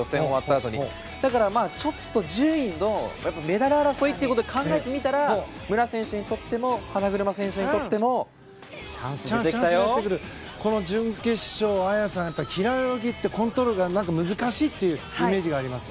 なので、順位のメダル争いというところで考えてみたら武良選手にとっても花車選手にとってもこの準決勝、綾さん平泳ぎってコントロールが難しいというイメージがあります。